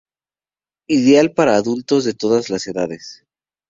Ideal para adultos de todas las edades.